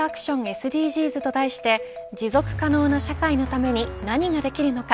ＳＤＧｓと題して持続可能な社会のために何ができるのか。